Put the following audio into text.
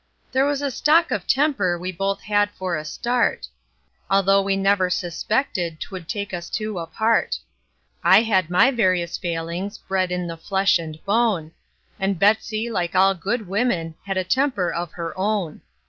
There was a stock of temper we both had for a start, Although we never suspected 'twould take us two apart; I had my various failings, bred in the flesh and bone; And Betsey, like all good women, had a temper of her own.